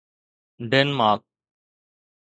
Denmark